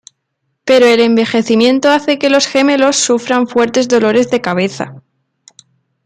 Pero el envejecimiento hace que los gemelos sufran fuertes dolores de cabeza.